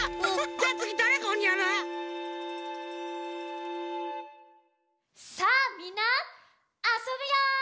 じゃあつぎだれがおにやる？さあみんなあそぶよ！